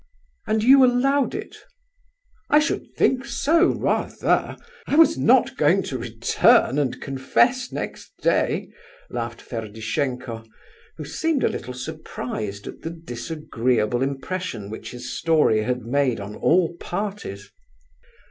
"And you allowed it?" "I should think so, rather! I was not going to return and confess next day," laughed Ferdishenko, who seemed a little surprised at the disagreeable impression which his story had made on all parties.